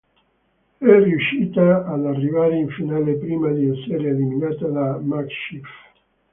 È riuscita ad arrivare in finale prima di essere eliminata da MsChif.